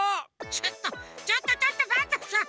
ちょっとちょっとちょっとパンタンさん。